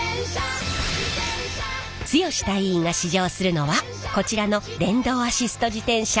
剛隊員が試乗するのはこちらの電動アシスト自転車。